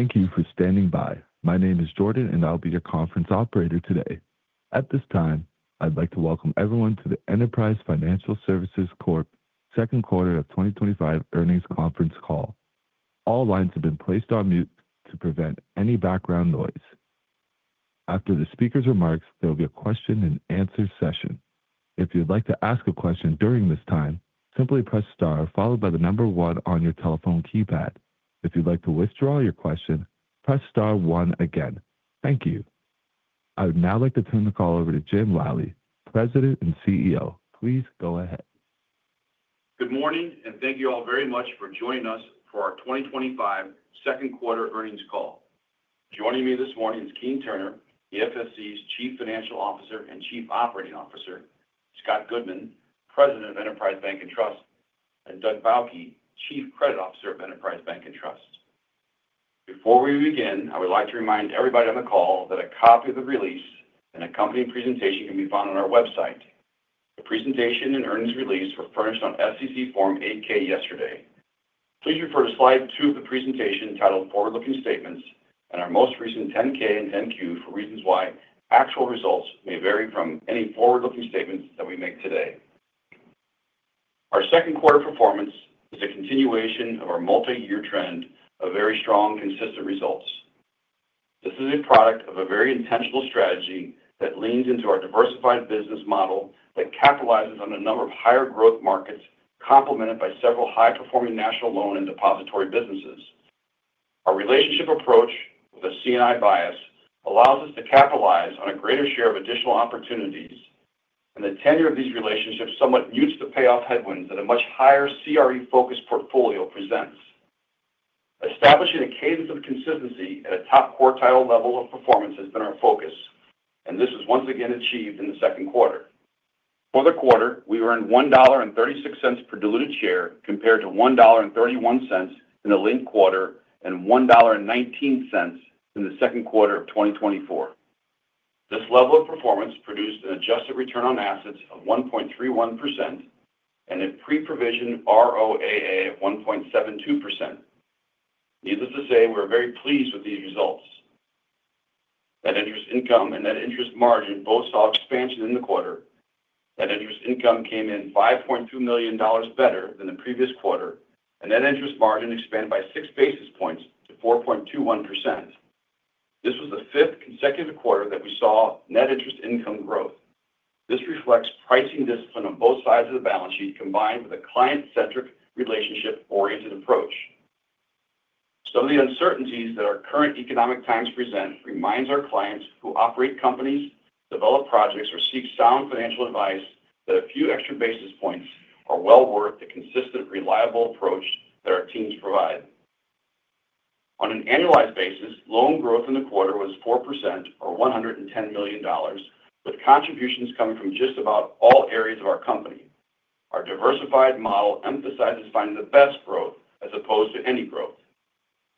Thank you for standing by. My name is Jordan, and I'll be your conference operator today. At this time, I'd like to welcome everyone to the Enterprise Financial Services Corp. Second Quarter of twenty twenty five Earnings Conference Call. All lines have been placed on mute to prevent any background noise. After the speakers' remarks, there will be a question and answer session. Thank you. I would now like to turn the call over to Jim Lally, President and CEO. Please go ahead. Good morning, and thank you all very much for joining us for our twenty twenty five second quarter earnings call. Joining me this morning is Keane Turner, EFSC's Chief Financial Officer and Chief Operating Officer Scott Goodman, President of Enterprise Bank and Trust and Doug Bauke, Chief Credit Officer of Enterprise Bank and Trust. Before we begin, I would like to remind everybody on the call that a copy of the release and accompanying presentation can be found on our website. The presentation and earnings release were furnished on SEC Form eight ks yesterday. Please refer to slide two of the presentation titled Forward Looking Statements and our most recent 10 ks and 10 Q for reasons why actual results may vary from any forward looking statements that we make today. Our second quarter performance is a continuation of our multiyear trend of very strong consistent results. This is a product of a very intentional strategy that leans into our diversified business model that capitalizes on a number of higher growth markets complemented by several high performing national loan and depository businesses. Our relationship approach with a C and I bias allows us to capitalize on a greater share of additional opportunities, and the tenure of these relationships somewhat mutes the payoff headwinds that a much higher CRE focused portfolio presents. Establishing a cadence of consistency at a top quartile level of performance has been our focus, and this is once again achieved in the second quarter. For the quarter, we earned $1.36 per diluted share compared to $1.31 in the linked quarter and $1.19 in the 2024. This level of performance produced an adjusted return on assets of 1.31% and a pre provision ROAA of 1.72%. Needless to say, we are very pleased with these results. Net interest income and net interest margin both saw expansion in the quarter. Net interest income came in $5,200,000 better than the previous quarter, and net interest margin expanded by six basis points to 4.21%. This was the fifth consecutive quarter that we saw net interest income growth. This reflects pricing discipline on both sides of the balance sheet combined with a client centric relationship oriented approach. Some of the uncertainties that our current economic times present reminds our clients who operate companies, develop projects, or seek sound financial advice that a few extra basis points are well worth the consistent, reliable approach that our teams provide. On an annualized basis, loan growth in the quarter was 4% or $110,000,000 with contributions coming from just about all areas of our company. Our diversified model emphasizes finding the best growth as opposed to any growth.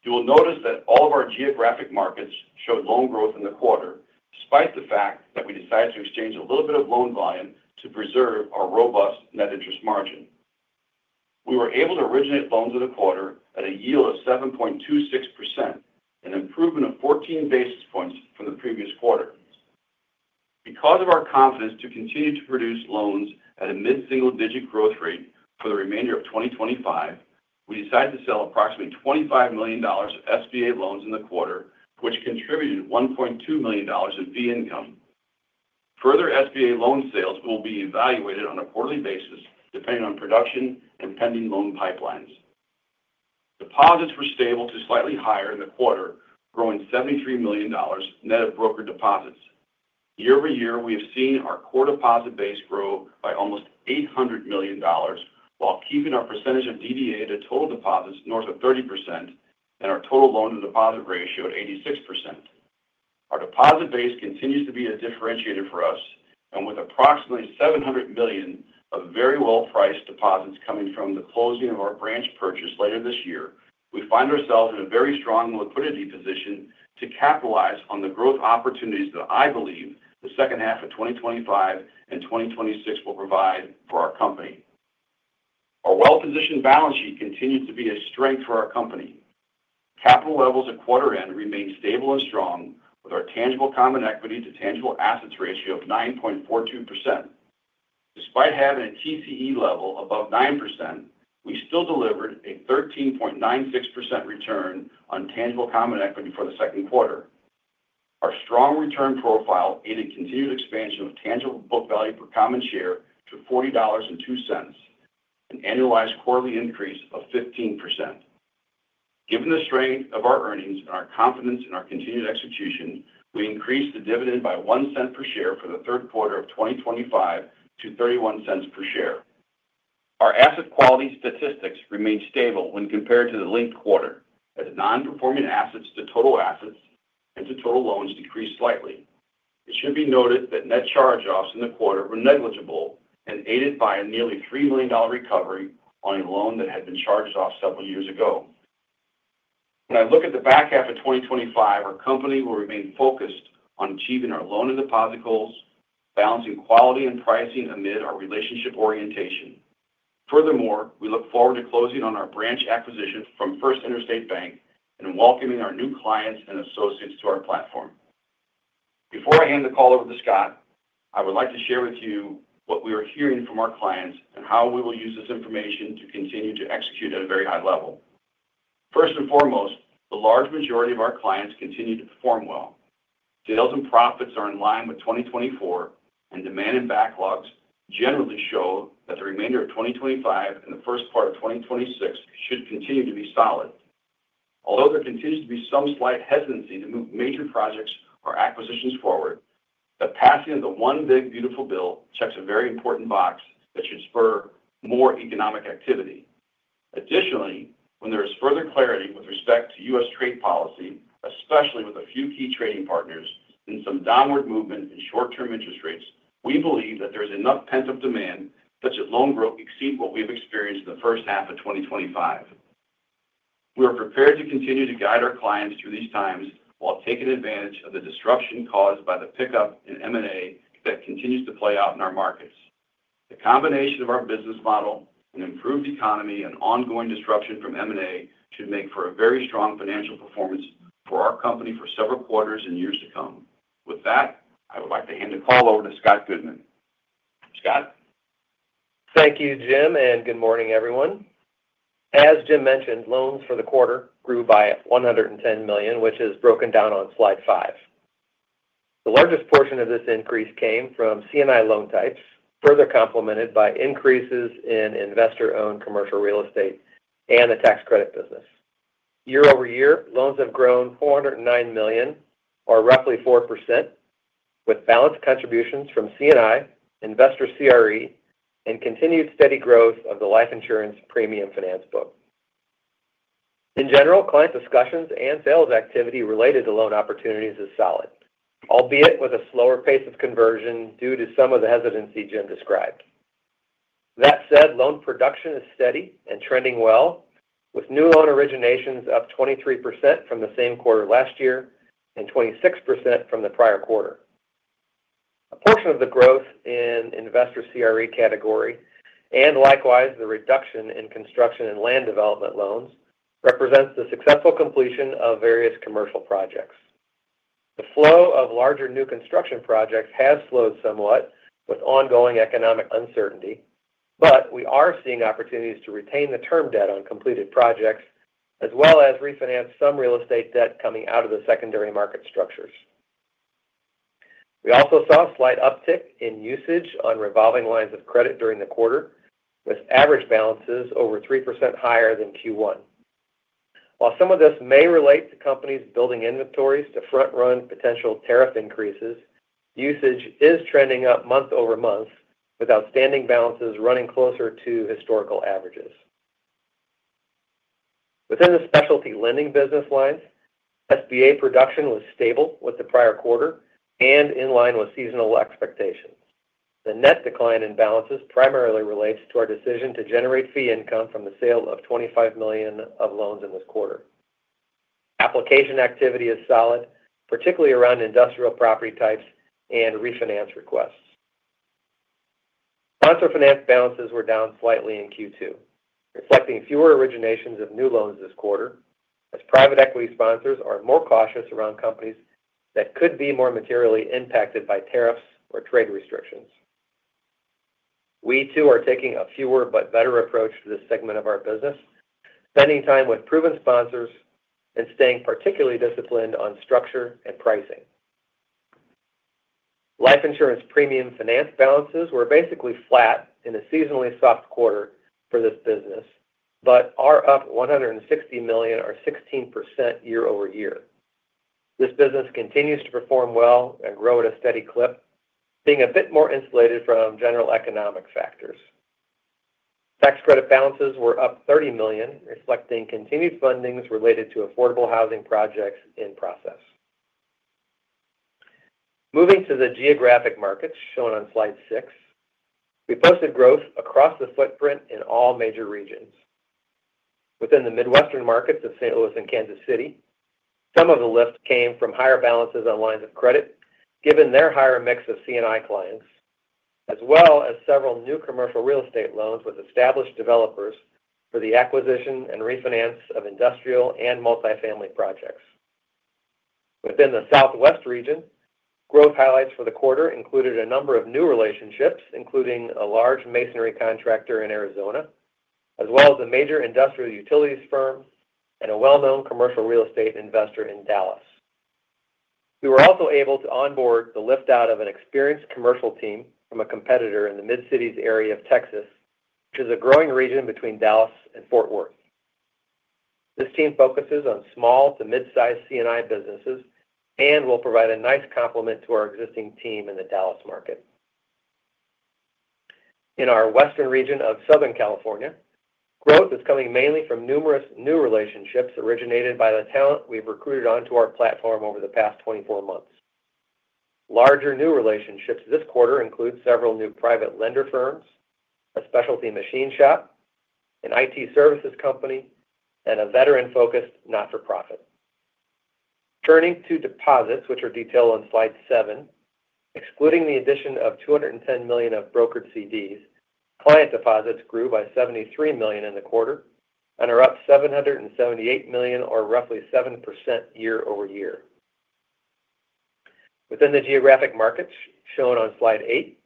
You will notice that all of our geographic markets showed loan growth in the quarter despite the fact that we decided to exchange a little bit of loan volume to preserve our robust net interest margin. We were able to originate loans in the quarter at a yield of 7.26%, an improvement of 14 basis points from the previous quarter. Because of our confidence to continue to produce loans at a mid single digit growth rate for the remainder of 2025, we decided to sell approximately $25,000,000 of SBA loans in the quarter, which contributed $1,200,000 in fee income. Further SBA loan sales will be evaluated on a quarterly basis depending on production and pending loan pipelines. Deposits were stable to slightly higher in the quarter, growing $73,000,000 net of brokered deposits. Year over year, we have seen our core deposit base grow by almost $800,000,000 while keeping our percentage of DDA to total deposits north of 30% and our total loan to deposit ratio at 86. Our deposit base continues to be a differentiator for us and with approximately $700,000,000 of very well priced deposits coming from the closing of our branch purchase later this year, we find ourselves in a very strong liquidity position to capitalize on the growth opportunities that I believe the 2025 and 2026 will provide for our company. Our well positioned balance sheet continues to be a strength for our company. Capital levels at quarter end remained stable and strong with our tangible common equity to tangible assets ratio of 9.42%. Despite having a TCE level above 9%, we still delivered a 13.96% return on tangible common equity for the second quarter. Our strong return profile aided continued expansion of tangible book value per common share to $40.2 an annualized quarterly increase of 15%. Given the strength of our earnings and our confidence in our continued execution, we increased the dividend by $01 per share for the 2025 to $0.31 per share. Our asset quality statistics remain stable when compared to the linked quarter as nonperforming assets to total assets and to total loans decreased slightly. It should be noted that net charge offs in the quarter were negligible and aided by a nearly $3,000,000 recovery on a loan that had been charged off several years ago. When I look at the back half of 2025, our company will remain focused on achieving our loan and deposit goals, balancing quality and pricing amid our relationship orientation. Furthermore, we look forward to closing on our branch acquisition from First Interstate Bank and welcoming our new clients and associates to our platform. Before I hand the call over to Scott, I would like to share with you what we are hearing from our clients and how we will use this information to continue to execute at a very high level. First and foremost, the large majority of our clients continue to perform well. Sales and profits are in line with 2024, and demand and backlogs generally show that the remainder of 2025 and the first part of 2026 should continue to be solid. Although there continues to be some slight hesitancy to move major projects or acquisitions forward, the passing of the one big beautiful bill checks a very important box that should spur more economic activity. Additionally, when there is further clarity with respect to U. S. Trade policy, especially with a few key trading partners and some downward movement in short term interest rates, we believe that there is enough pent up demand such that loan growth exceed what we have experienced in the 2025. We are prepared to continue to guide our clients through these times while taking advantage of the disruption caused by the pickup in M and A that continues to play out in our markets. The combination of our business model, an improved economy and ongoing disruption from M and A should make for a very strong financial performance for our company for several quarters and years to come. With that, I would like to hand the call over to Scott Goodman. Scott? Thank you, Jim, and good morning, everyone. As Jim mentioned, loans for the quarter grew by $110,000,000 which is broken down on Slide five. The largest portion of this increase came from C and I loan types, further complemented by increases in investor owned commercial real estate and the tax credit business. Year over year, loans have grown $4.00 $9,000,000 or roughly 4%, with balanced contributions from C and I, investor CRE and continued steady growth of the life insurance premium finance book. In general, client discussions and sales activity related to loan opportunities is solid, albeit with a slower pace of conversion due to some of the hesitancy Jim described. That said, loan production is steady and trending well, with new loan originations up 23% from the same quarter last year and 26% from the prior quarter. A portion of the growth in investor CRE category and likewise the reduction in construction and land development loans represents the successful completion of various commercial projects. The flow of larger new construction projects has slowed somewhat with ongoing economic uncertainty, but we are seeing opportunities to retain the term debt on completed projects as well as refinance some real estate debt coming out of the secondary market structures. We also saw a slight uptick in usage on revolving lines of credit during the quarter, with average balances over 3% higher than Q1. While some of this may relate to companies building inventories to front run potential tariff increases, usage is trending up month over month with outstanding balances running closer to historical averages. Within the specialty lending business lines, SBA production was stable with the prior quarter and in line with seasonal expectations. The net decline in balances primarily relates to our decision to generate fee income from the sale of $25,000,000 of loans in this quarter. Application activity is solid, particularly around industrial property types and refinance requests. Sponsor finance balances were down slightly in Q2, reflecting fewer originations of new loans this quarter as private equity sponsors are more cautious around companies that could be more materially impacted by tariffs or trade restrictions. We too are taking a fewer but better approach to this segment of our business, spending time with proven sponsors and staying particularly disciplined on structure and pricing. Life insurance premium finance balances were basically flat in a seasonally soft quarter for this business, but are up $160,000,000 or 16% year over year. This business continues to perform well and grow at a steady clip, being a bit more insulated from general economic factors. Tax credit balances were up $30,000,000 reflecting continued fundings related to affordable housing projects in process. Moving to the geographic markets shown on slide six. We posted growth across the footprint in all major regions. Within the Midwestern markets of St. Louis and Kansas City, some of the lift came from higher balances on lines of credit, given their higher mix of C and I clients, as well as several new commercial real estate loans with established developers for the acquisition and refinance of industrial and multifamily projects. Within the Southwest region, growth highlights for the quarter included a number of new relationships, including a large masonry contractor in Arizona, as well as a major industrial utilities firm and a well known commercial real estate investor in Dallas. We were also able to onboard the lift out of an experienced commercial team from a competitor in the mid cities area of Texas, which is a growing region between Dallas and Fort Worth. This team focuses on small to mid sized C and I businesses and will provide a nice complement to our existing team in the Dallas market. In our Western region of Southern California, growth is coming mainly from numerous new relationships originated by the talent we've recruited onto our platform over the past twenty four months. Larger new relationships this quarter include several new private lender firms, a specialty machine shop, an IT services company and a veteran focused not for profit. Turning to deposits, which are detailed on slide seven. Excluding the addition of $210,000,000 of brokered CDs, client deposits grew by $73,000,000 in the quarter and are up $778,000,000 or roughly 7% year over year. Within the geographic markets shown on Slide eight,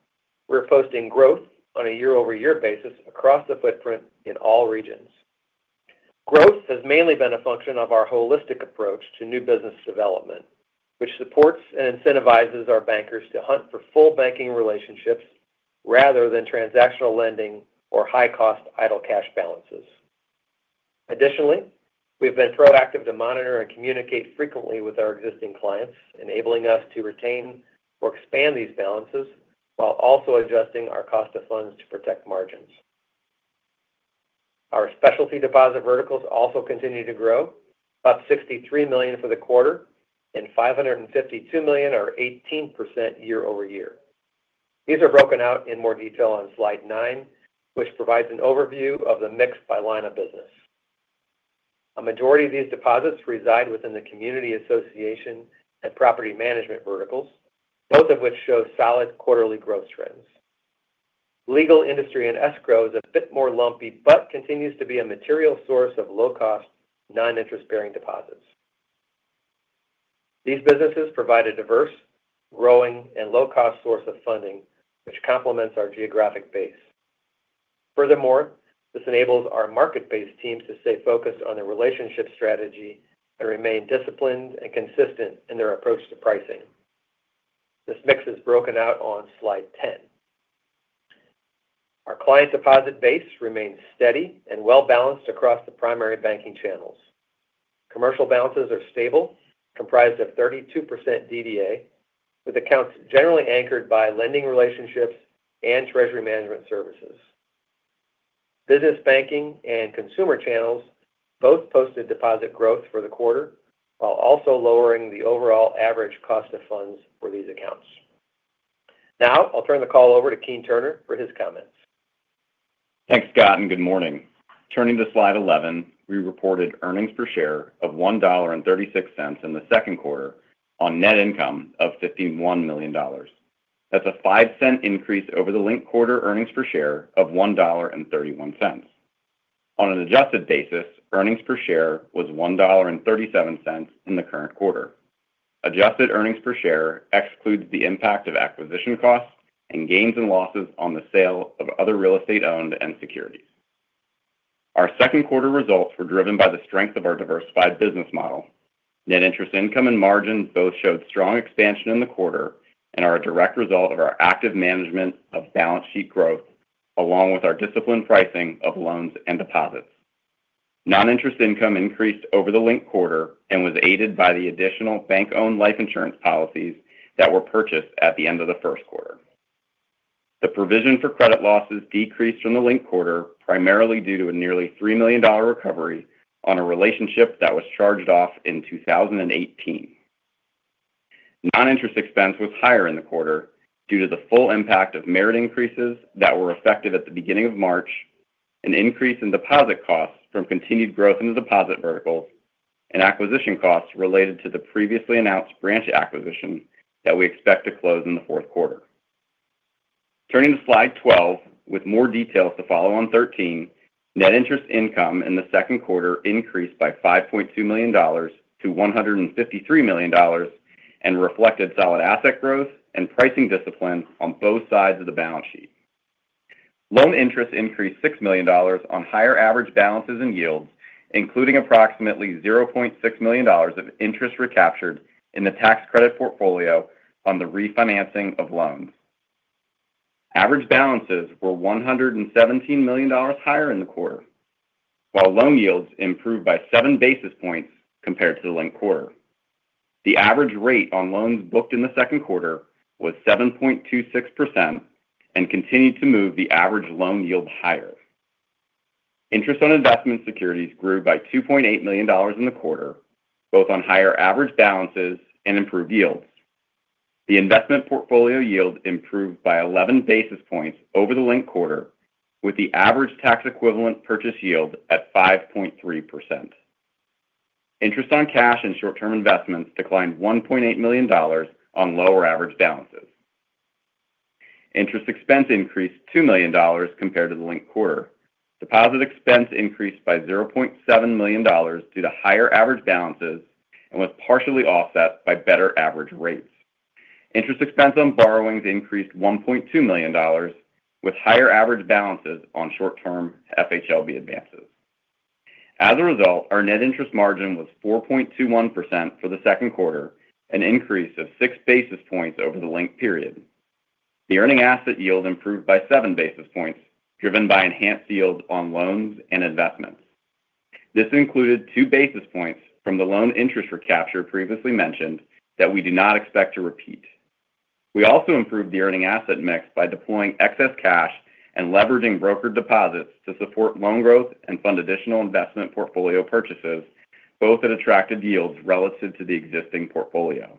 we are posting growth on a year over year basis across the footprint in all regions. Growth has mainly been a function of our holistic approach to new business development, which supports and incentivizes our bankers to hunt for full banking relationships rather than transactional lending or high cost idle cash balances. Additionally, we have been proactive to monitor and communicate frequently with our existing clients, enabling us to retain or expand these balances while also adjusting our cost of funds to protect margins. Our specialty deposit verticals also continued to grow, up $63,000,000 for the quarter and $552,000,000 or 18% year over year. These are broken out in more detail on Slide nine, which provides an overview of the mix by line of business. A majority of these deposits reside within the community association and property management verticals, both of which show solid quarterly growth trends. Legal industry and escrow is a bit more lumpy but continues to be a material source of low cost, non interest bearing deposits. These businesses provide a diverse, growing and low cost source of funding, which complements our geographic base. Furthermore, this enables our market based teams to stay focused on their relationship strategy and remain disciplined and consistent in their approach to pricing. This mix is broken out on Slide 10. Our client deposit base remains steady and well balanced across the primary banking channels. Commercial balances are stable, comprised of 32% DDA, with accounts generally anchored by lending relationships and treasury management services. Business banking and consumer channels both posted deposit growth for the quarter, while also lowering the overall average cost of funds for these accounts. Now I'll turn the call over to Keene Turner for his comments. Thanks, Scott, and good morning. Turning to slide 11, we reported earnings per share of $1.36 in the second quarter on net income of $51,000,000 That's a zero five dollars increase over the linked quarter earnings per share of $1.31 On an adjusted basis, earnings per share was $1.37 in the current quarter. Adjusted earnings per share excludes the impact of acquisition costs and gains and losses on the sale of other real estate owned and securities. Our second quarter results were driven by the strength of our diversified business model. Net interest income and margin both showed strong expansion in the quarter and are a direct result of our active management of balance sheet growth along with our disciplined pricing of loans and deposits. Non interest income increased over the linked quarter and was aided by the additional bank owned life insurance policies that were purchased at the end of the first quarter. The provision for credit losses decreased from the linked quarter primarily due to a nearly 3,000,000 recovery on a relationship that was charged off in 2018. Non interest expense was higher in the quarter due to the full impact of merit increases that were effective at the March, an increase in deposit costs from continued growth in the deposit verticals and acquisition costs related to the previously announced branch acquisition that we expect to close in the fourth quarter. Turning to slide 12 with more details to follow on 13. Net interest income in the second quarter increased by $5,200,000 to $153,000,000 and reflected solid asset growth and pricing discipline on both sides of the balance sheet. Loan interest increased $6,000,000 on higher average balances and yields, including approximately $600,000 of interest recaptured in the tax credit portfolio on the refinancing of loans. Average balances were $117,000,000 higher in the quarter, while loan yields improved by seven basis points compared to the linked quarter. The average rate on loans booked in the second quarter was 7.26% and continued to move the average loan yield higher. Interest on investment securities grew by $2,800,000 in the quarter both on higher average balances and improved yields. The investment portfolio yield improved by 11 basis points over the linked quarter with the average tax equivalent purchase yield at 5.3%. Interest on cash and short term investments declined $1,800,000 on lower average balances. Interest expense increased $2,000,000 compared to the linked quarter. Deposit expense increased by $700,000 balances and was partially offset by better average rates. Interest expense on borrowings increased 1,200,000 with higher average balances on short term FHLB advances. As a result, our net interest margin was 4.21% for the second quarter, an increase of six basis points over the linked period. The earning asset yield improved by seven basis points driven by enhanced yields on loans and investments. This included two basis points from the loan interest recapture previously mentioned that we do not expect to repeat. We also improved the earning asset mix by deploying excess cash and leveraging broker deposits to support loan growth and fund additional investment portfolio purchases both at attractive yields relative to the existing portfolio.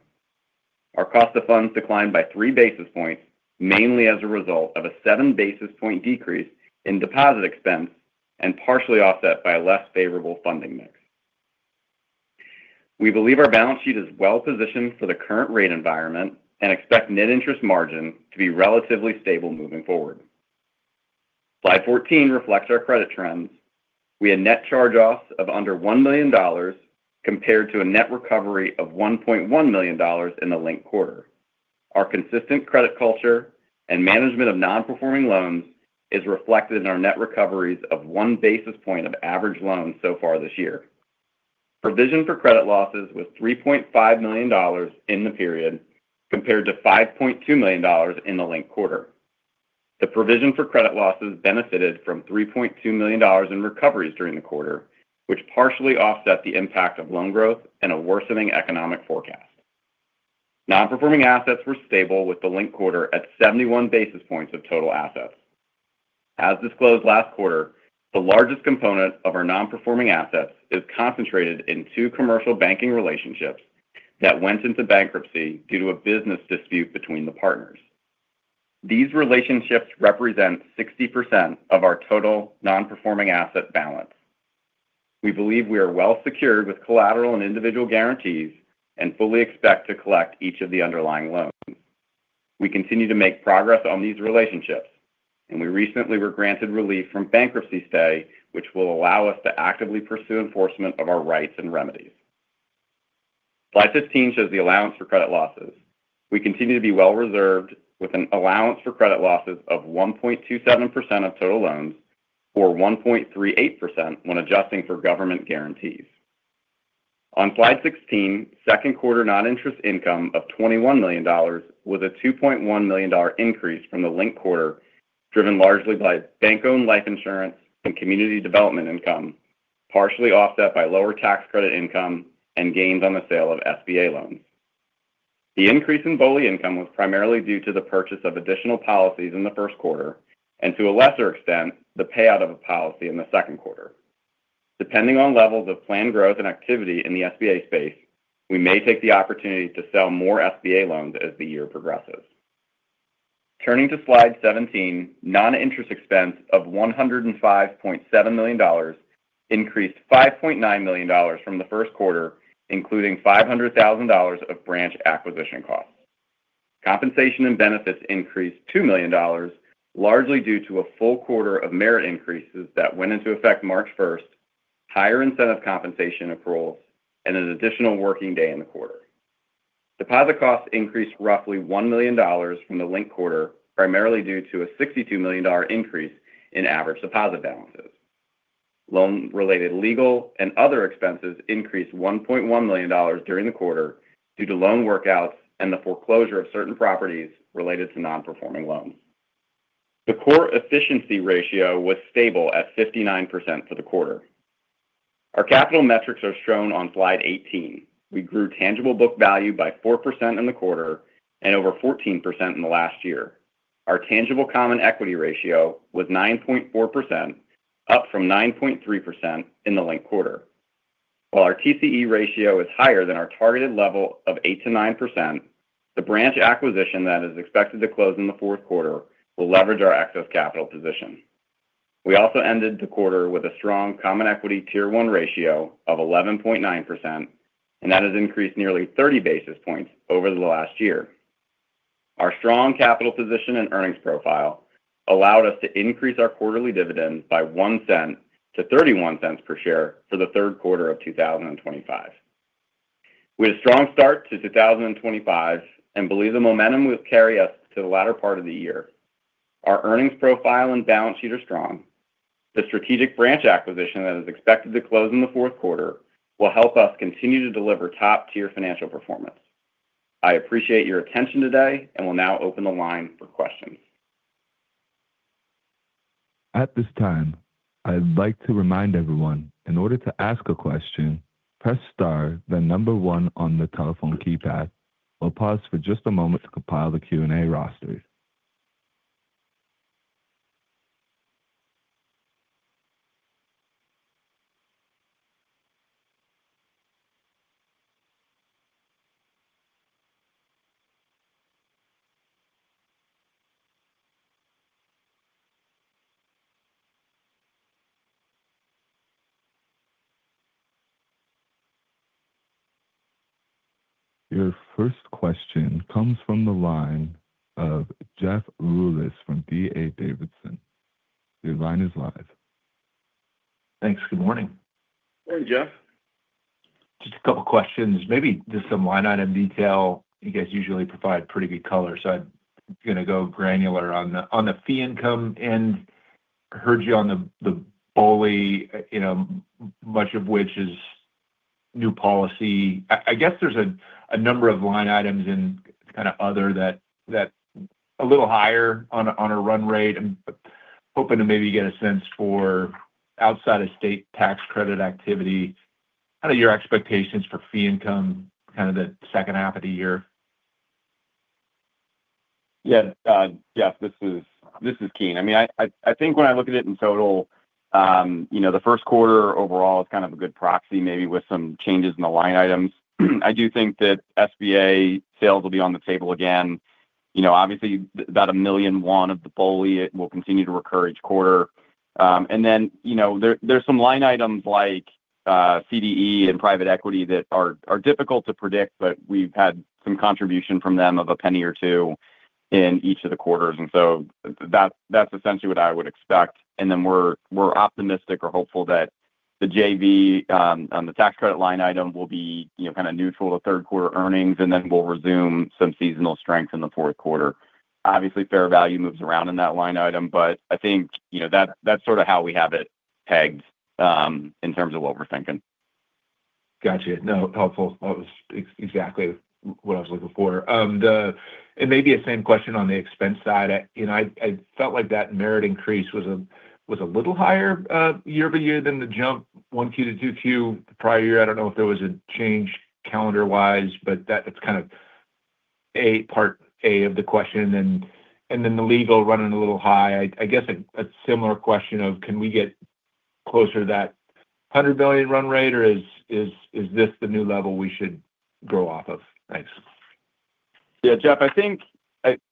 Our cost of funds declined by three basis points mainly as a result of a seven basis point decrease in deposit expense and partially offset by a less favorable funding mix. We believe our balance sheet is well positioned for the current rate environment and expect net interest margin to be relatively stable moving forward. Slide 14 reflects our credit trends. We had net charge offs of under $1,000,000 compared to a net recovery of $1,100,000 in the linked quarter. Our consistent credit culture and management of non performing loans is reflected in our net recoveries of one basis point of average loans so far this year. Provision for credit losses was $3,500,000 in the period compared to $5,200,000 in the linked quarter. The provision for credit losses benefited from $3,200,000 in recoveries during the quarter, which partially offset the impact of loan growth and a worsening economic forecast. Non performing assets were stable with the linked quarter at 71 basis points of total assets. As disclosed last quarter, the largest component of our non performing assets is concentrated in two commercial banking relationships that went into bankruptcy due to a business dispute between the partners. These relationships represent 60% of our total non performing asset balance. We believe we are well secured with collateral and individual guarantees and fully expect to collect each of the underlying loans. We continue to make progress on these relationships and we recently were granted relief from bankruptcy stay, which will allow us to actively pursue enforcement of our rights and remedies. Slide 15 shows the allowance for credit losses. We continue to be well reserved with an allowance for credit losses of 1.27% of total loans or 1.38% when adjusting for government guarantees. On slide sixteen, second quarter non interest income of $21,000,000 was a $2,100,000 increase from the linked quarter driven largely by bank owned life insurance and community development income, partially offset by lower tax credit income and gains on the sale of SBA loans. The increase in BOLI income was primarily due to the purchase of additional policies in the first quarter and to a lesser extent the payout of a policy in the second quarter. Depending on levels of planned growth and activity in the SBA space, we may take the opportunity to sell more SBA loans as the year progresses. Turning to slide 17, non interest expense of $105,700,000 increased $5,900,000 from the first quarter, including $500,000 of branch acquisition costs. Compensation and benefits increased $2,000,000 largely due to a full quarter of merit increases that went into effect March 1, higher incentive compensation accruals and an additional working day in the quarter. Deposit costs increased roughly $1,000,000 from the linked quarter, primarily due to a $62,000,000 increase in average deposit balances. Loan related legal and other expenses increased $1,100,000 during the quarter due to loan workouts and the foreclosure of certain properties related to non performing loans. The core efficiency ratio was stable at 59% for the quarter. Our capital metrics are shown on Slide 18. We grew tangible book value by 4% in the quarter and over 14% in the last year. Our tangible common equity ratio was 9.4%, up from 9.3% in the linked quarter. While our TCE ratio is higher than our targeted level of 8% to 9%, the branch acquisition that is expected to close in the fourth quarter will leverage our excess capital position. We also ended the quarter with a strong common equity Tier one ratio of 11.9% and that has increased nearly 30 basis points over the last year. Our strong capital position and earnings profile allowed us to increase our quarterly dividend by $01 to $0.31 per share for the 2025. We had a strong start to 2025 and believe the momentum will carry us to the latter part of the year. Our earnings profile and balance sheet are strong. The strategic branch acquisition that is expected to close in the fourth quarter will help us continue to deliver top tier financial performance. I appreciate your attention today and will now open the line for questions. Your first question comes from the line of Jeff Rulis from D. A. Davidson. Your line is live. Thanks. Good morning. Hey, Jeff. Just a couple of questions. Maybe just some line item detail. You guys usually provide pretty good color, so I'm going to go granular on the fee income and heard you on the BOLI, much of which is new policy. I guess there's a number of line items and kind of other that a little higher on a run rate. I'm hoping to maybe get a sense for outside of state tax credit activity, kind of your expectations for fee income kind of the second half of the year? Jeff, this is Keene. I mean, think when I look at it in total, the first quarter overall is kind of a good proxy maybe with some changes in the line items. I do think that SBA sales will be on the table again. Obviously, about $1,000,000 of the BOLI will continue to recur each quarter. And then there's some line items like CDE and private equity that are are difficult to predict, but we've had some contribution from them of a penny or 2 in each of the quarters. And so that that's essentially what I would expect. And then we're we're optimistic or hopeful that the JV, on the tax credit line item will be kind of neutral to third quarter earnings, and then we'll resume some seasonal strength in the fourth quarter. Obviously, value moves around in that line item. But I think that's sort of how we have it pegged, in terms of what we're thinking. Got you. No, helpful. That was exactly what I was looking for. And maybe a same question on the expense side. Felt like that merit increase was a little higher year over year than the jump 1Q to 2Q prior year. I don't know if there was a change calendar wise, but that's kind of a part A of the question. Then the legal running a little high. I guess a similar question of can we get closer to that $100,000,000 run rate or is this the new level we should grow off of? Thanks. Yes, Jeff,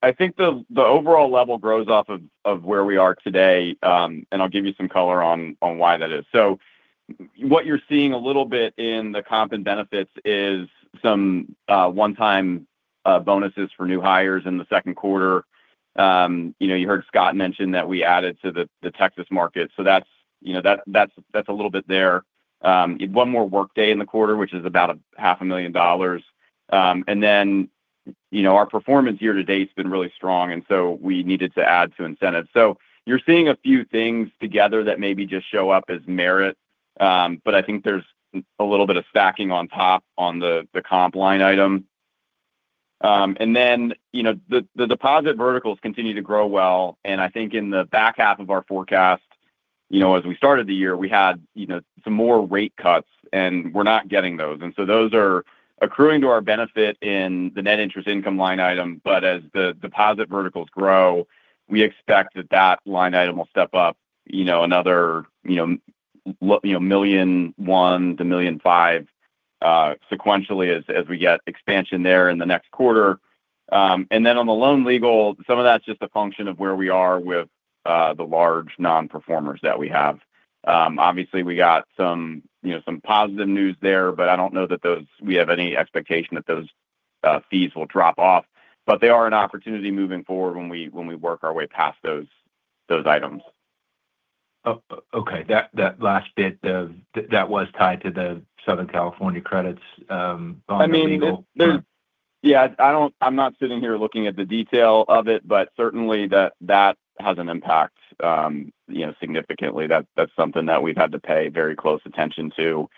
I think the overall level grows off of where we are today, and I'll give you some color on why that is. So what you're seeing a little bit in the comp and benefits is some onetime bonuses for new hires in the second quarter. You heard Scott mention that we added to the Texas market. So that's a little bit there. One more workday in the quarter, which is about $05,000,000 And you know, our performance year to date has been really strong, and so we needed to add to incentives. So you're seeing a few things together that maybe just show up as merit, but I think there's a little bit of stacking on top on the the comp line item. And then the deposit verticals continue to grow well. And I think in the back half of our forecast, as we started the year, we had some more rate cuts, and we're not getting those. And so those are accruing to our benefit in the net interest income line item. But as the deposit verticals grow, we expect that, that line item will step up another $1.1 to 1.5 sequentially as as we get expansion there in the next quarter. And then on the loan legal, some of that's just a function of where we are with, the large non performers that we have. Obviously, we got some, some positive news there, but I don't know that those we have any expectation that those fees will drop off. But they are an opportunity moving forward when we work our way past those items. Okay. That last bit, that was tied to the Southern California credits, on Yes. I'm not sitting here looking at the detail of it, but certainly, that has an impact significantly. That's something that we've had to pay very close attention to,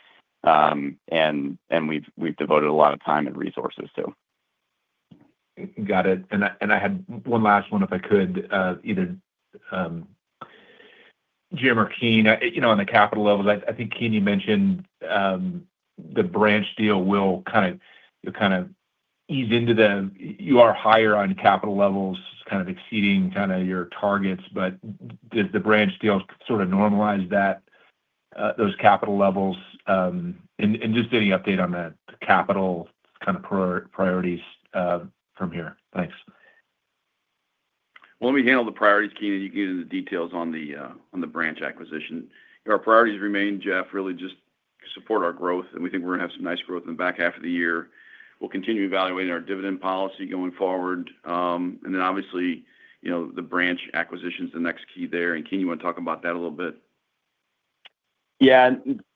and we've devoted a lot of time and resources to. Got it. And I had one last one, if I could, either Jim or Keene. On the capital levels, think Keene you mentioned the branch deal will kind of ease into them. You are higher on capital levels kind of exceeding kind of your targets, but did the branch deals sort of normalize that those capital levels? Just any update on that capital kind of priorities from here? Thanks. Well, let me handle the priorities, Keene, and you can get into the details on the branch acquisition. Our priorities remain, Jeff, really just support our growth and we think we're going have some nice growth in the back half of the year. We'll continue evaluating our dividend policy going forward. And then obviously, the branch acquisition is the next key there. And Ken you want to talk about that a little bit? Yes.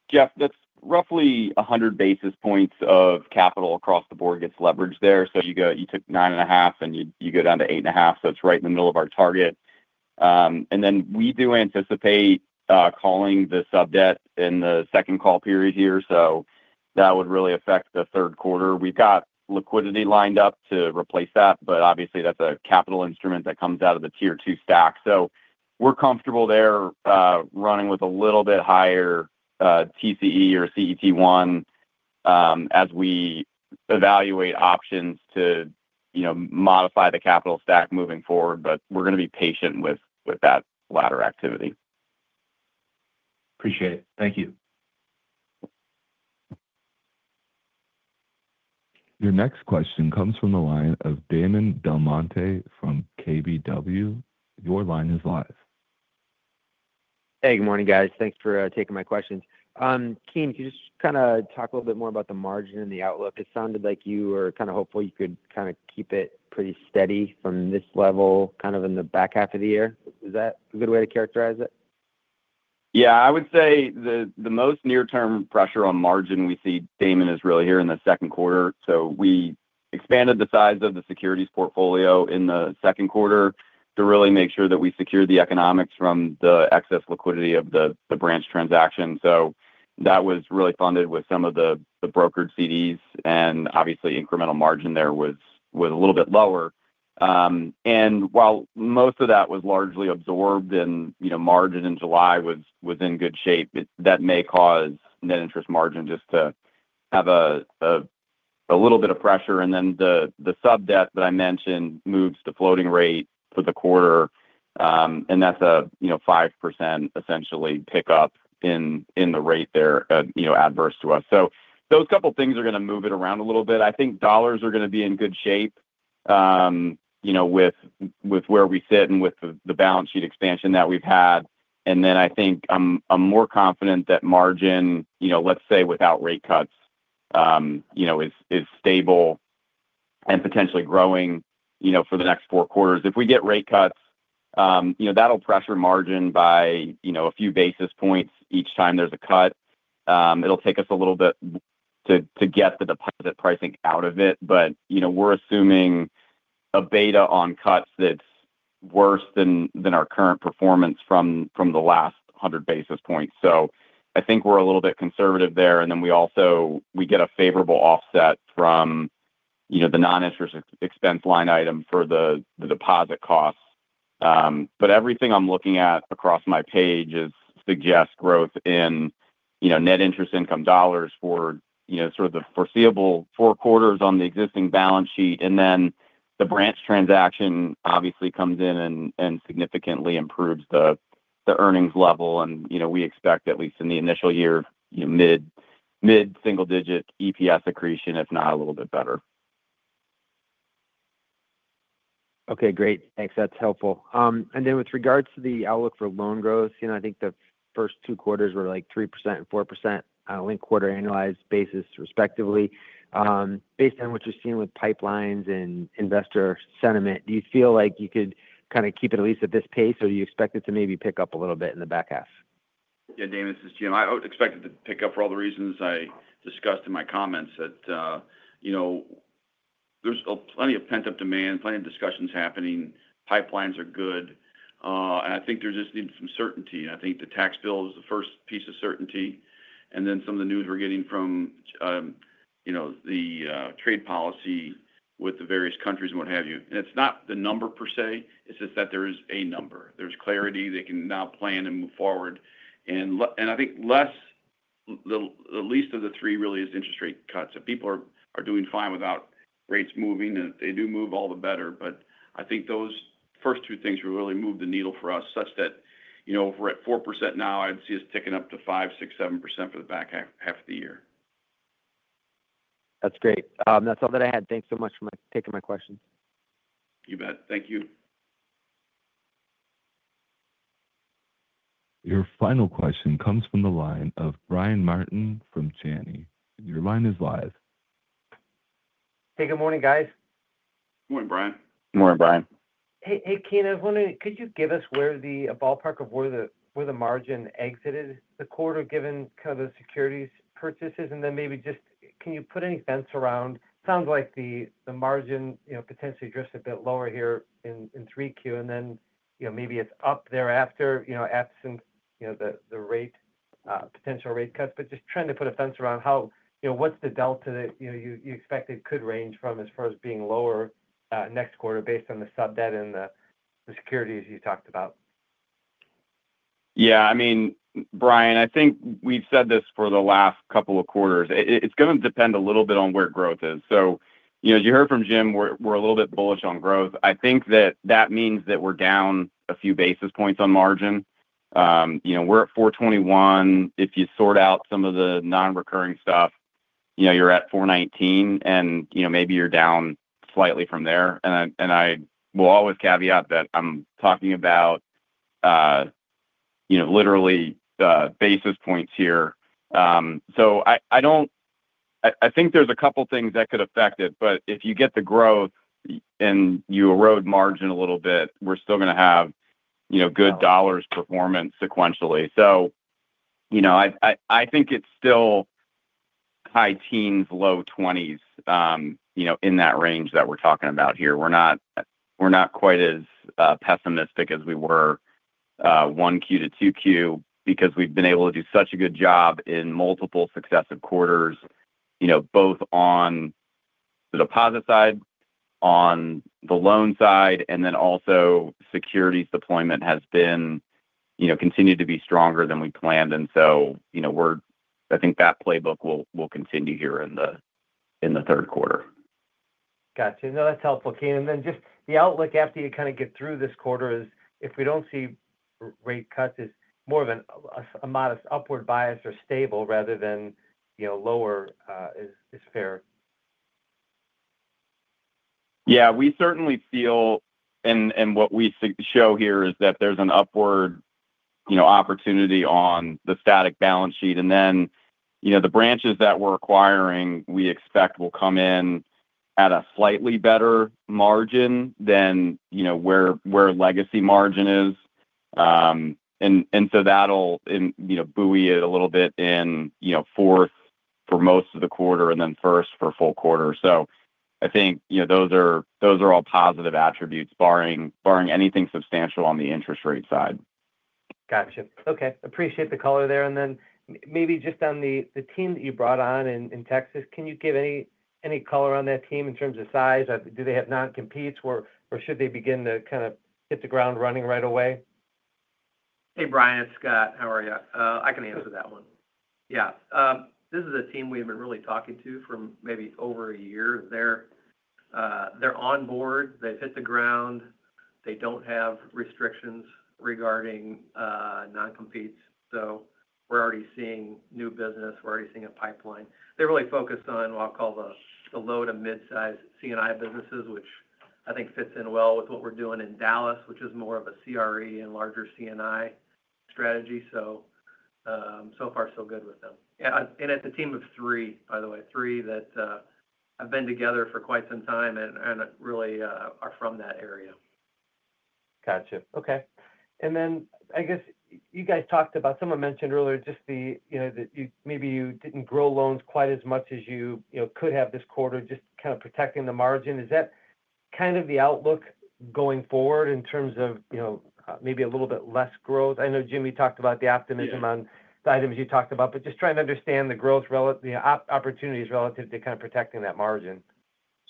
Jeff that's roughly 100 basis points of capital across the board gets leveraged there. So you took 9.5 and you go down to 8.5. So it's right in the middle of our target. And then we do anticipate calling the sub debt in the second call period here. So that would really affect the third quarter. We've got liquidity lined up to replace that, but obviously, that's a capital instrument that comes out of the tier two stack. So we're comfortable there running with a little bit higher TCE or CET1 as we evaluate options to modify the capital stack moving forward, but we're going to be patient with that latter activity. Appreciate it. Thank you. Your next question comes from the line of Damon DelMonte from KBW. Your line is live. Hey, good morning guys. Thanks for taking my questions. Keene, can you just kind of talk a little bit more about the margin and the outlook? It sounded like you were kind of hopeful you could kind of keep it pretty steady from this level kind of in the back half of the year. Is that a good way to characterize it? Yeah. I would say the most near term pressure on margin we see, Damon, is really here in the second quarter. So we expanded the size of the securities portfolio in the second quarter to really make sure that we secure the economics from the excess liquidity of the branch transaction. That was really funded with some of the brokered CDs. And obviously, incremental margin there was a little bit lower. And while most of that was largely absorbed and margin in July was in good shape. That may cause net interest margin just to have a little bit of pressure. And then the sub debt that I mentioned moves to floating rate for the quarter, and that's a 5% essentially pickup in in the rate there, you know, adverse to us. So those couple things are gonna move it around a little bit. I think dollars are gonna be in good shape, you know, with with where we sit and with the balance sheet expansion that we've had. And then I think I'm more confident that margin, let's say, without rate cuts, is stable and potentially growing for the next four quarters. If we get rate cuts, you know, that'll pressure margin by, you know, a few basis points each time there's a cut. It'll take us a little bit to to get the deposit pricing out of it. But, you know, we're assuming a beta on cuts that's worse than than our current performance from from the last 100 basis points. So I think we're a little bit conservative there. And then we also we get a favorable offset from, the noninterest expense line item for the deposit costs. But everything I'm looking at across my page suggests growth in net interest income dollars for sort of the foreseeable four quarters on the existing balance sheet. And then the branch transaction obviously comes in and significantly improves the earnings level. And we expect, least in the initial year, mid single digit EPS accretion if not a little bit better. Okay, great. Thanks. That's helpful. And then with regards to the outlook for loan growth, I think the first two quarters were like 34% on a linked quarter annualized basis respectively. Based on what you're seeing with pipelines and investor sentiment, do you feel like you could kind of keep it at least at this pace or do you expect it to maybe pick up a little bit in the back half? Yeah, Damon. This is Jim. I would expect it to pick up for all the reasons I discussed in my comments that, you know, there's plenty of pent up demand, plenty of discussions happening, pipelines are good. And I think there just needs some certainty. I think the tax bill is the first piece of certainty, and then some of the news we're getting from, you know, the trade policy with the various countries and what have you. And it's not the number per se. It's just that there is a number. There's clarity. They can now plan and move forward. And and I think less the the least of the three really is interest rate cuts. If people are are doing fine without rates moving, they do move all the better. But I think those first two things will really move the needle for us such that, you know, we're at 4% now. I'd see us ticking up to five, six, 7% for the back half of the year. That's great. That's all that I had. Thanks so much for taking my questions. You bet. Thank you. Your final question comes from the line of Brian Martin from Janney. Your line is live. Good morning, guys. Good morning, Brian. Good morning, Brian. Hey, Keene, was wondering, could you give us where the ballpark of where the margin exited the quarter given kind of the securities purchases? And then maybe just can you put any sense around sounds like the the margin, you know, potentially drifts a bit lower here in in 3Q and then, you know, maybe it's up thereafter, you know, absent, you know, the the rate, potential rate cuts. But just trying to put a sense around how you know, what's the delta that, you know, you you expect it could range from as far as being lower, next quarter based on the sub debt and the the securities you talked about? Yeah. I mean, Brian, I think we've said this for the last couple of quarters. It's going to depend a little bit on where growth is. So, you as you heard from Jim, we're we're a little bit bullish on growth. I think that that means that we're down a few basis points on margin. You know, we're at four twenty one. If you sort out some of the nonrecurring stuff, you know, you're at four nineteen, and, you know, maybe you're down slightly from there. And I and I will always caveat that I'm talking about, you know, literally, basis points here. So I I don't I I think there's a couple things that could affect it. But if you get the growth and you erode margin a little bit, we're still gonna have, you know, good dollars performance sequentially. So, you know, I I I think it's still high teens, low twenties, you know, in that range that we're talking about here. We're not we're not quite as, pessimistic as we were, 1Q to 2Q because we've been able to do such a good job in multiple successive quarters, both on the deposit side, on the loan side and then also securities deployment has been continued to be stronger than we planned. And so we're I think that playbook will continue here in the third quarter. Gotcha. No. That's helpful, Keane. And then just the outlook after you kinda get through this quarter is if we don't see rate cut is more of an a a upward bias or stable rather than, you know, lower, is is fair. Yeah. We certainly feel and and what we show here is that there's an upward, you know, opportunity on the static balance sheet. And then, you know, the branches that we're acquiring, we expect will come in at a slightly better margin than, you know, where where legacy margin is. And and so that'll, you know, buoy it a little bit in, you know, fourth for most of the quarter and then first for full quarter. So I think those are all positive attributes barring anything substantial on the interest rate side. Got you. Okay. Appreciate the color there. And then maybe just on the team that you brought on in Texas, can you give any color on that team in terms of size? Do they have noncompetes, or or should they begin to kind of hit the ground running right away? Hey, Brian. It's Scott. How are you? I can answer that one. Yeah. This is a team we have been really talking to from maybe over a year. They're, they're onboard. They've hit the ground. They don't have restrictions regarding, non competes. So we're already seeing new business. We're already seeing a pipeline. They're really focused on what I'll call the the low to mid sized c and I businesses, which I think fits in well with what we're doing in Dallas, which is more of a CRE and larger c and I strategy. So, so far so good with them. Yeah. And it's a team of three, by the way. Three that, have been together for quite some time and and really, are from that area. Gotcha. Okay. And then I guess you guys talked about someone mentioned earlier just the you know, that you maybe you didn't grow loans quite as much as you, you know, could have this quarter just kind of protecting the margin. Is that kind of the outlook going forward in terms of, you know, maybe a little bit less growth? I know, Jimmy talked about the optimism on the items you talked about, but just trying to understand the growth relative the opportunities relative to kind of protecting that margin.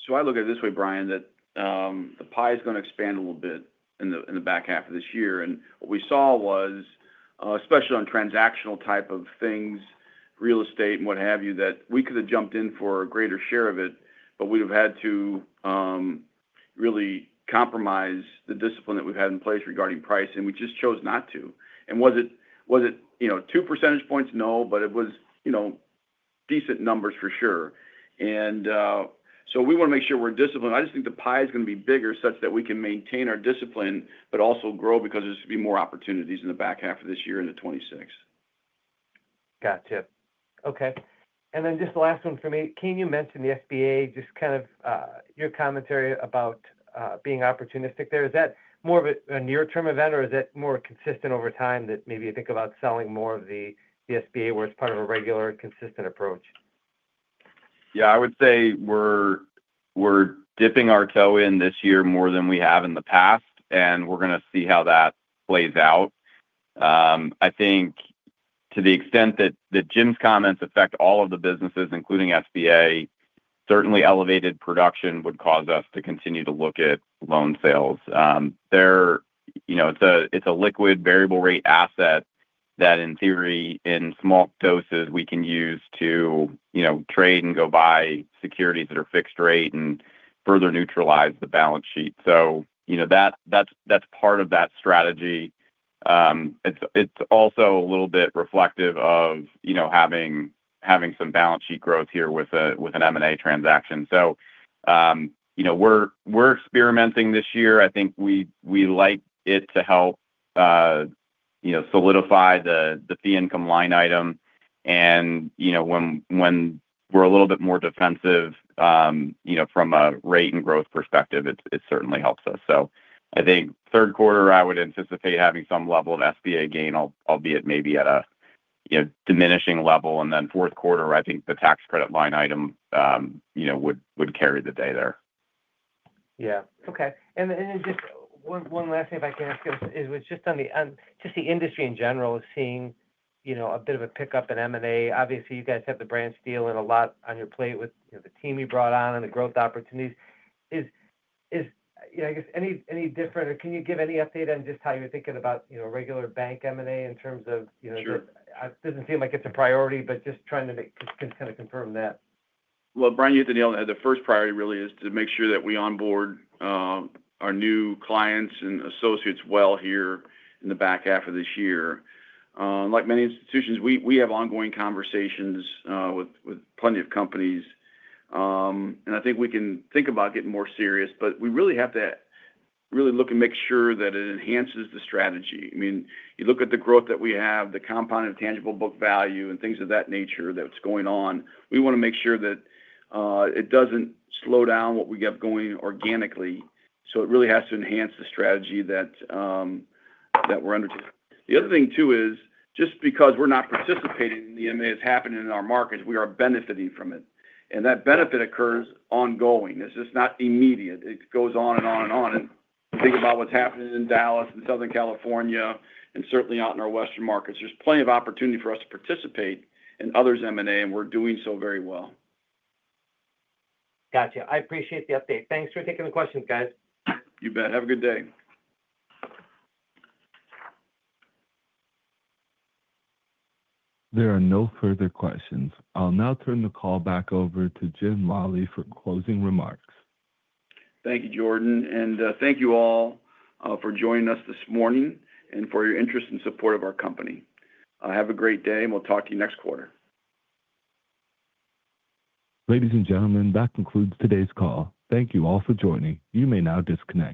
So I look at it this way, Brian, that the pie is gonna expand a little bit in the in the back half of this year. And what we saw was, especially on transactional type of things, real estate and what have you, that we could have jumped in for a greater share of it, but we've had to really compromise the discipline that we've had in place regarding price and we just chose not to. And was it was it, you know, two percentage points? No. But it was, you know, decent numbers for sure. And so we wanna make sure we're disciplined. I just think the pie is gonna be bigger such that we can maintain our discipline, but also grow because there should be more opportunities in the back half of this year in the '26. Got you. Okay. And then just last one for me. Can you mention the SBA just kind of your commentary about being opportunistic there? Is that more of a near term event or is that more consistent over time that maybe you think about selling more of the SBA where it's part of a regular consistent approach? Yeah. I would say we're we're dipping our toe in this year more than we have in the past, and we're gonna see how that plays out. I think to the extent that Jim's comments affect all of the businesses, including SBA, certainly elevated production would cause us to continue to look at loan sales. It's a liquid variable rate asset that, in theory, in small doses, we can use to, you know, trade and go buy securities that are fixed rate and further neutralize the balance sheet. So, you know, that that's that's part of that strategy. It's it's also a little bit reflective of, you know, having having some balance sheet growth here with a with an M and A transaction. So, you know, we're we're experimenting this year. I think we we like it to help, solidify the fee income line item. And when we're a little bit more defensive from a rate and growth perspective, certainly helps us. So I think third quarter, I would anticipate having some level of SBA gain, albeit maybe at a diminishing level. And then fourth quarter, I think the tax credit line item, you know, would carry the day there. Yeah. Okay. And then just one last thing, if I can ask you, is it was just on the end just the industry in general is seeing, you know, a bit of a pickup in m and a. Obviously, you guys have the branch deal and a lot on your plate with, you know, the team you brought on and the growth opportunities. Is is yeah. I guess, any any different or can you give any update on just how you're thinking about, you know, regular bank m and a in terms of, you know Sure. Doesn't seem like it's a priority, but just trying to make just kinda confirm that. Well, Brian, have to deal with that. The first priority really is to make sure that we onboard our new clients and associates well here in the back half of this year. Like many institutions, we have ongoing conversations with plenty of companies. And I think we can think about getting more serious, but we really have to really look and make sure that it enhances the strategy. I mean, you look at the growth that we have, the compound intangible book value and things of that nature that's going on. We want to make sure that it doesn't slow down what we get going organically. So it really has to enhance the strategy that we're undertaking. The other thing too is just because we're not participating in the MAs happening in our market, we are benefiting from it. And that benefit occurs ongoing. This is not immediate. It goes on and on and on. And think about what's happening in Dallas and Southern California and certainly out in our Western markets. There's plenty of opportunity for us to participate in others' M and A, and we're doing so very well. Gotcha. I appreciate the update. Thanks for taking the questions, guys. You bet. Have a good day. There are no further questions. I'll now turn the call back over to Jim Molley for closing remarks. Thank you, Jordan, and thank you all for joining us this morning and for your interest and support of our company. Have a great day, we'll talk to you next quarter. Ladies and gentlemen, that concludes today's call. Thank you all for joining. You may now disconnect.